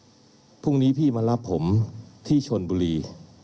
พรุ่งนี้พี่มารับผมที่ชนบุรี